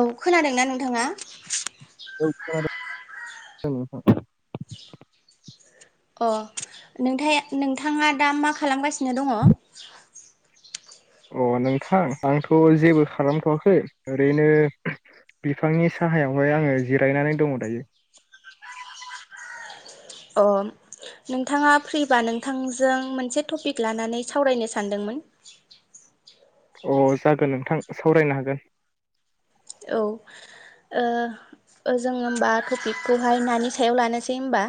औ खोनादोंना नोंथाङा? खोनादों औ। नोंथां। अ नोंथ नोंथाङा दा मा खालामगासिनो दङ। अ नोंथां आंथ' जेबो खालामथ'वाखै ओरैनो बिफांनि साहा गाहायावहाय आङो जिरायनानै दङ दायो। [inaudible] ओ नोंथाङा फ्रिबा नोंथांजों मोनसे टपिक लानानै सावरायनो सानदोंमोन। [inaudible] अ जागोन नोंथां सावरायनो हागोन। औ। जोङो होमबा कपििकखौहाय नानि सायाव लानोसै होमबा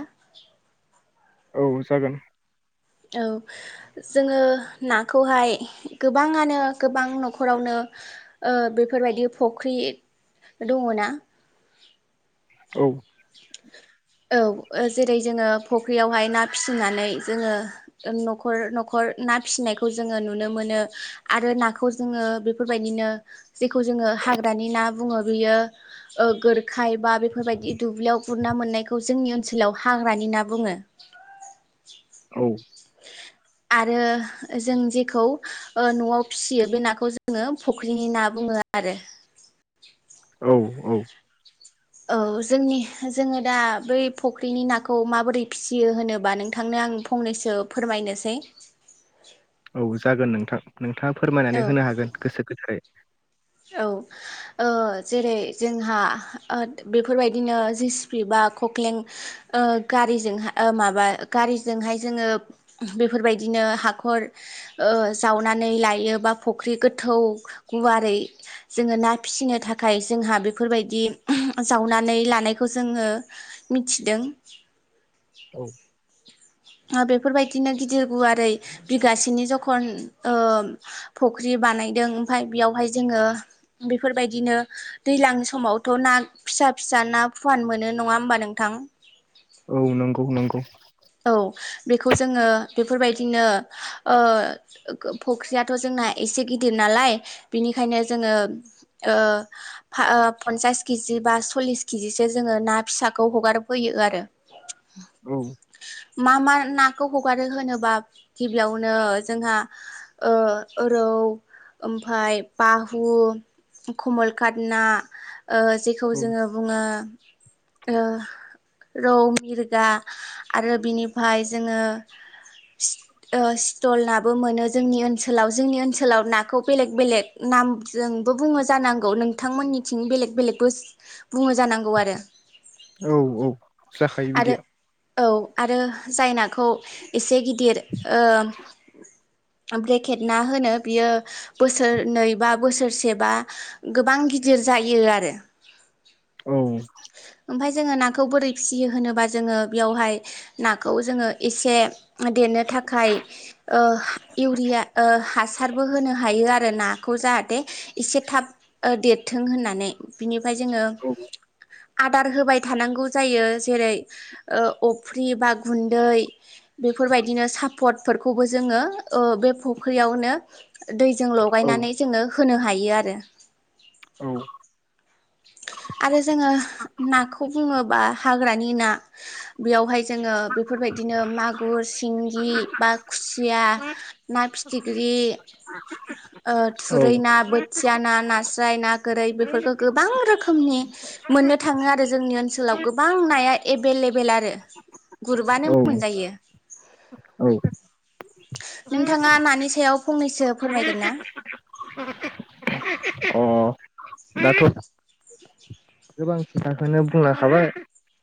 औ जागोन। औ जोङो नाखौहाय गोबाङानो गोबां न'खरावनो बेफोरबायदि फख्रि दङ ना। औ [inaudible] औ जेरै जोङो फुख्रियावहाय ना फिसिनानै जोङो न'खर न'खर ना फिसिनायखौ जोङो नुनो मोनो आरो नाखौ जोङो बेफोरबायदिनो जेखौ जोङो हाग्रानि ना बुङो बे गोरखाय बा बेफोरबायदि दुब्लियाव गुर मोननाय। खौ जोंनि ओनसोलाव हाग्रानि ना बुङो। औ [inaudible] आरो जों जेखौ ओ न 'आव फिसियो बे नाखौ जोङो फुख्रिनि ना बुङो। आरो औ औ। औ जोंनि जोङो दा बै फुख्रिनि नाखौ माबोरै फिसियो होनोबा नोंथांनो आं फंनैसो फोरमायनोसै। औ जागोन नोंथां नोंथाङा फोरमायनानै औ होनो हागोन गोसो गोथारै। औ। जेरै जोंहा बेफोरबायदिनो जेसिपि बा कक्लें गारिजोंाय माबा गारिजोंहाय जोङो बेफोरबायदिनो हाखर जावनानै लायो बा फुख्रि गोथौ गुवारै जोङो ना फिसिनो थाखाय जोंहा बेफोरबायदि जावनानै लानायखौ जोङो मिथिदों। औ बेफोरबायदिनो गिदिर गुवारै बिगासेनि जखन फुख्रि बानायदों ओमफाय बेयावहाय जोङो बेफोरबायदिनो दैज्लां समावथ' ना फिसा फिसा ना फुवान मोनो नङा होमबा न नोंथां। औ नंगौ नंगौ औ बेखौ जोङो बेफोरबायदिनो ओ फुख्रियाथ' जों ना एसे गिदिर नालाय बिनिखायनो जोंडो ओ फनसासखिजि केजि बा सरलिस केिजिसो जोङो ना फिसाखौ हगारफैयो आरो औ। मा मा नाखौ हगारो होनोबा गिबियावनो जोंहा ओ औ ओमफाय बाहु कमलकात ना ओ जेखौ औ जोङो बुङो ओ रौ मिरगा आरो बिनिफ्राय जोङो सि ओ स्टिल नाबो मोनो जोंनि ओनसोलाव जोंनि ओनसोलाव नाखौ बेलेग बेलेग ना नामजोंबो बुङो जानांगौ नोंथांमोननिथिं बेलेक बेलेकबो बुङो जानांगौ आरो औ औ जाखायो आरो बिदिया औ आरो जाय नाखौ एसे गिदिर ओ ब्रेकेट ना होनो बियो बोसोरनै बा बोसोरसेबा गोबां गि दिर जायो आरो औ ओमफ्राय जोङो नाखौ बोरै फिसियो होनोबा जोङो बेयावहाय नाखौ जोङो एसे देरनो थाखाय ओ इउरिया या ओ हासारबो होनो हायो आरो नाखौ जाहाथे एसे थाब ओ देरथों होनना नै बिनिफ्राय जोंडो औ आदार होबाय थानांगौ जायो जेरै- ओ अफ्रि बा गुन्दै बेफोरबायदिनो साफ पटफोरखौबो जोङो ओ बे फख्रियावनो दैजों औ लगायनानै जोङो होनो हायो आरो औ आरो जोङो नाखौ बुङोबा हाग्रानि ना बेयावहाय जोङो बेफोरबायदिनो मागुर सिंगि बा खुसिया ना फिथिख्रि यि ओ थुरै औ ना बोथिया ना नास्राय ना गोरै बेफोरखौ गो रोखोमनि मोननो थाङो आरो जोंनि ओनसोलाव गोबां नाया एबेलेबेल आरो गुरबानो औ मोनजायो औ नोंथाङा मानि सायाव फंनैसो फोरमायगोन ना? अ दाथ' गोबां खोथाखौनो बुंलाखाबाय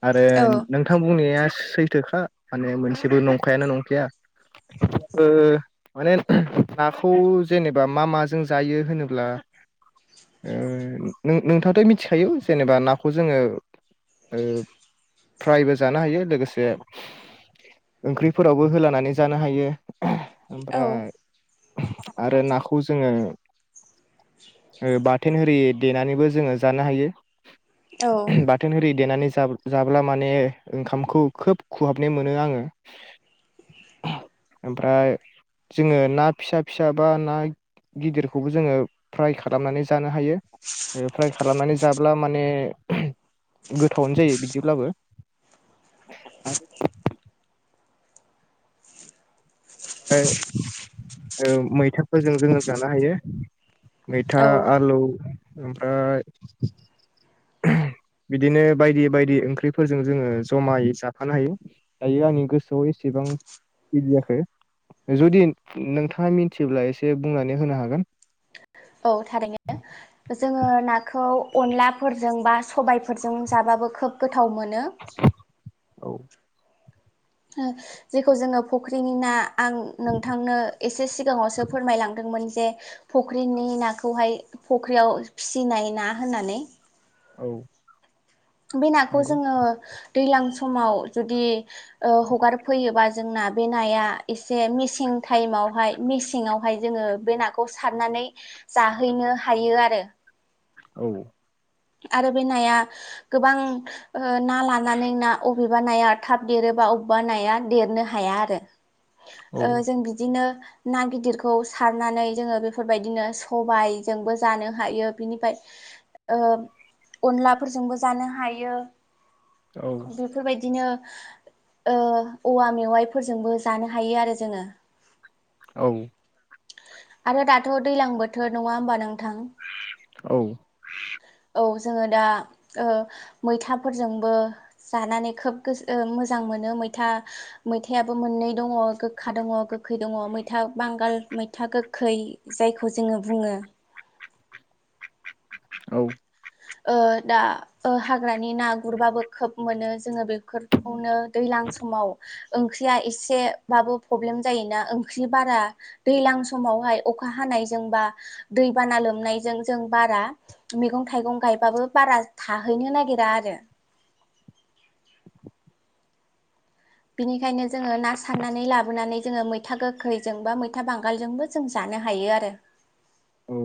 आरो औ नोंथां बुंनाया सैथोखा माने मोनसेबो नंखायानो नंखाया ओ माने नाखौ जेनेबा मा माजों जायो होनोब्ला [inaudible] ओ नों नोंथाङाथ' मिथिखायो जेनेबा नाखौ जोङो ओ फ्रायबो जानो हायो लोगोसे ओंख्रिफोरावबो होलानानै जानो हायो औ ओमफ्राय आरो नाखौ जोङो ओ बाथोन ओरि देनानैबो जोङो जानो हायो औ बाथोन ओरि देनानै जा-जाब्ला माने ओंखामखौ खोब खुहाबनाय मोनो आङो ओमफ्राय जोङो ना फिसा फिसा बा ना गिदिरखौबो जोङो फ्राय खालामनानै जानो हायो ओ फ्राय खालामनानै जाब्ला माने गोथावनो जायो बि दिब्लाबो [inaudible] [unintelligible] ओ मैथाफोरजों जोङो जानो हायो औ मैथा आलु ओमफ्राय बिदिनो बायदि बायदि ओंख्रिफोरजों जोङो जमायै जाफानो हायो दायो आंनि गोसोआव एसे सेबां बिदियाखै। जुदि नोंथाङा मिथियोब्ला एसे बुंनानै होनो हागोन? औ थारैनो जोङो नाखौ अनलाफोरजों बा सबायफोरजों जाबाबो खोब गोथाव मोनो। औ ओ जेखौ जोङो फुख्रिनि ना आं नोंथांनो एसे सिगाङावसो फोरमायलांदों मोन जे फख्रिनि नाखौहाय फख्रियाव फिसिनाय ना होननानै औ बे नाखौ नंगौ जोङो दैज्लां समाव जुदि ओ हगारफैयोबा जोंना बे नाया एसे मसें टाइमावहाय मेसेआवहाय जोङो बे नाखौ सारनानै जाहैनो हायो आरो औ आरो बे नाया गोबां ओ ना लानानै ना अबेबा नाया थाब देरो बबा अबेबा नाया देरनो हाया आरो औ ओ जों बिदिनो ना गिदिरखौ सारनानै जोङो बेफोरबायदिनो सबायजोंबो जानो हायो बिनिफ्राय ओ अनलाफोरजोंबो जानो हायो औ बेफोरबायदिनो ओ औवा मेवाइफोरजोंबो जानो हायो आरो जोङो औ आरो दाथ' दैलां बोथोर नङा होमबा नों थां औ औ जोङो दा ओ मैथाफोरजोंबो जानानै खोब मोजां मोनो मैथा मैथायाबो मोननै दङ गोखा दङ गोखै दङ मैथा बांगाल मै था गोखै जायखौ जोङो बुङो औ ओ दा ओ हाग्रानि ना गुरबाबो खोब मोनो जोङो बेखौ बेपोरखौनो दैलां समाव ओंख्रिया एसेबाबो प्रब्लेम जायोना ओंख्रि बारा दैलां समावहाय अखा हान नायजों बा दै बाना लोमनायजों जों बारा मेैगं थाइगं गायबो बारा थाहैनो नागेरा आरो बिनिखायनो जोङो ना सारनानै लाबोनानै जोङो मैथा गोखैजों बा मैथा बांगालजोंबो जों जा नो हायो आरो औ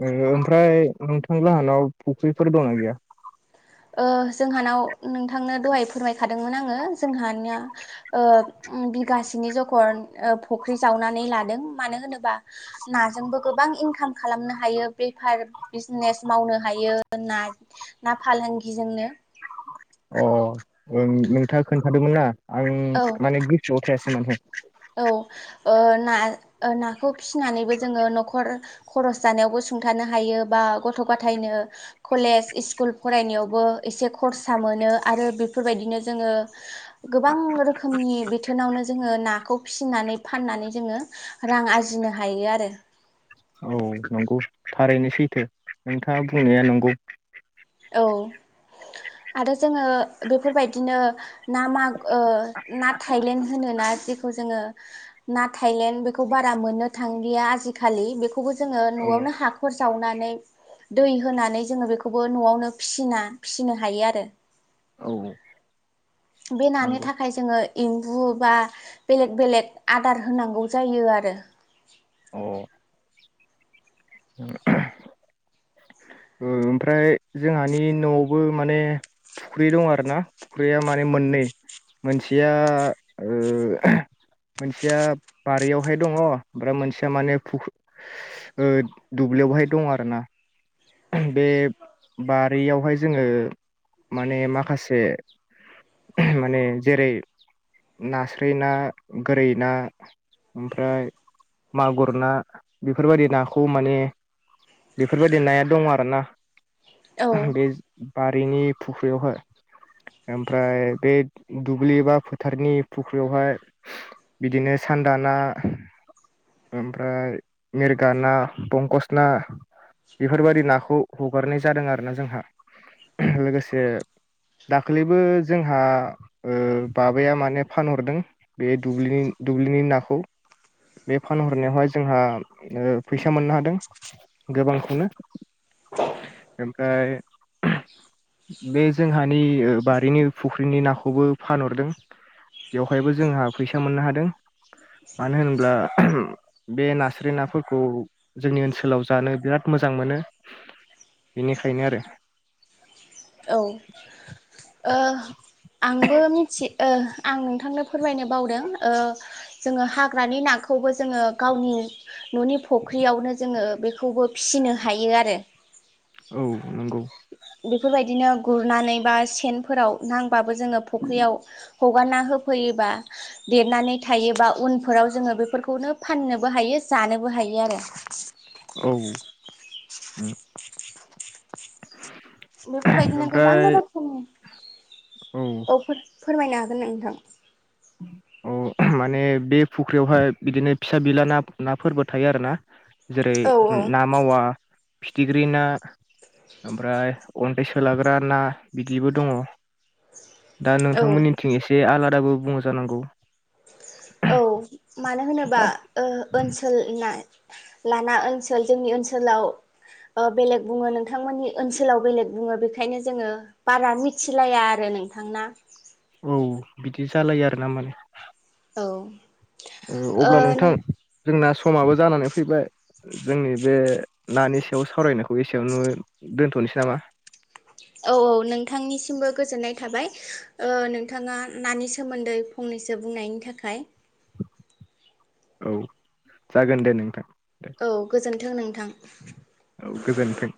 नोङो ओमफ्राय नोंथां लाहानाव फुख्रिफोर दंना गैया? ओ जोंहानाव नोंथांनो दहाय फोरमायखादोंमोन आङो जोंहानिया ओ बिगासेनि जख' ओ फख्रि जावनानै लादों मानो होनोबा नाजोंबो गोबां इंकाम खालामनो हायो बेफार बिजनेस मावनो हायो ना फालांगिजोंनो अ ओं नोंथाङा खोन्थादोंमोन ना आं औ माने गोसोआव थायासै माने औ ओ ना नाखौ फिनानैबो जोङो न'खर खरस जानायावबो सुंथानो हायो बा गथ' गथायनो कलेज इस्कुल फरायनायावबो एसे खरसा मोनो आरो बेफोरबायदिनो जोङो गोबां रोखोमनि बिथोनावनो जोङो नाखौ फिसिनानै फाननानै जोङो रां आरजिनो हायो आरो। औ नंगौ थारैनो सैथो नोंथाङा बुंनाया नंगौ। औ आरो जोङो बेफोरबायदिनो ना माग ओ ना थाइलेण्ड होनो ना जोङो ना थाइलेण्ड बेखौ बारा मोननो थांलिया आजि खालि। खौ जोङो औ न'आवनो हाख'र जावनानै दै होनानै न'आवनो फिना फिसिनो हायो आरो। औ औ। बे नानो नंगौ थाखाय जोङो एम्बु बा बेलेग बेलेग आदार होनांगौ जायो आरो। औ। औ। ओमफ्राय जोंहानि न'आवबो माने फुख्रि दं आरो ना फुख्रिया माने मोननै मोनसेया मोनसेया बारियावहाय दङ ओमफ्राय मोनसेया माने दुब्लि लियावहाय दं आरोना बे बारियावहाय जोङो माने माखासे माने जेरै नास्राय ना गोरै ना ओमफ्राय मागुर ना बेफोरबायदि नाखौ माने बेफोरबायदि नाया दं आरोना औ बे बारिनि फुख्रियावहाय। ओमफ्राय बे दुब्लि बा फोथारनि फुख्रियावहाय बिदिनो सान्दा ना ओमफ्राय मिरगा ना पंकस ना बेफोरबायादि नाखौ हगारनाय जादों आरो ना जोंहा लोगोसे दाख्लैबो जोंहा बाबाया माने फानहरदों बे दुब्लिनि दुब्लिनि नाखौ बे फानहरनायावहाय जोंहा फैसा मोननो हादों गोबांखौनो ओमफ्राय बे जोंहानि बारिनि फुख्रिनि नाखौबो फानहरदों। बेवहायबो जोंहा फैसा मोननो हादों। मानो होन्ला बे नास्राय नाफोरखौ जोंनि ओनसोलाव जानो बिराद मोजां मोनो। बेनिखायनो आरो औ आंबो मिथि आं नोंथांनो फोरमायनो बावदों जोङो हाग्रानि ना खौबो जोङो गावनि न'नि फुख्रियावनो जोङो बेखौबो फिसिनो हायो आरो। औ नंगौ। बेफोरबायदिनो गुरनानै बा सेनफोराव नांबाबो जोङो फुख्रियाव हगारना होफै देरनानै थायोबा उनफोराव जोङो बेफोरखौनो फाननोबो हायो जानोबो हायो आरो। आरो औ बेफोरबायदिनो गोबां ओमफ्राय औ औ रोखोमनिफोर फोरमायनो हागोन नोंथां। माने बे फुख्रियावहाय बिदिनो फिसा बिला ना नाफोरबो थायो आरोना। जेरै औ ना मावा फिथिख्रि ना ओमफ्राय उन्न्दै सोलाग्रा ना बिदिबो दङ'। दा औ नोंथांमोननिथिं एसे आलादाबो बुंङो जानांगौ। औ मानो होनोबा दा ओनसोल ना लाना ओनसोल जोंनि ओनसोलाव बेलेग बुङो नोंथांमोननि ओनसोलाव बेलेग बुङो बेखायनो जोङो बारा मिथिलाया आरो। नोंथां ना औ बिदि जालायो आरो ना माने औ ओ अब्ला नोंथां नों जोंना समाबो जानानै फैबाय जोंनि बे नानि सायाव सावरायनायखौ एसेयावनो दोनथ'नोसै नामा? [inaudible] औ औ नोंथांनिसिमबो गोजोननाय थाबाय नोंथाङा नानि सोमोन्दै फंनै सो बुंनायनि थाखाय। औ जागोन दे नोंथां। दे औ गोजोन्थों नोंथां। औ गोजोनथों।